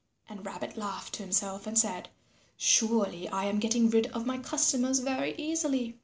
And Rabbit laughed to himself and said, "Surely I am getting rid of my customers very easily."